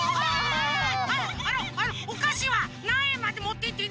あのあのおかしはなんえんまでもっていっていいんですか？